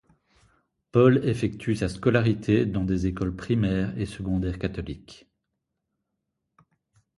Paul effectue sa scolarité dans des écoles primaires et secondaires catholiques.